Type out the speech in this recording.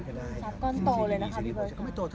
เรียกว่ารับข้าวไหนต้อนตี